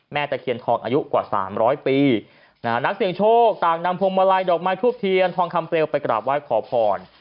ตะเคียนทองอายุกว่า๓๐๐ปีนะฮะนักเสียงโชคต่างนำพวงมาลัยดอกไม้ทูบเทียนทองคำเปลวไปกราบไหว้ขอพร